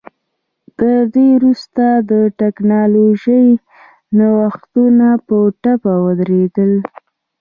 تر دې وروسته ټکنالوژیکي نوښتونه په ټپه ودرېدل